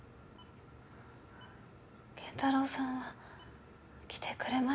健太郎さんは来てくれましたよね？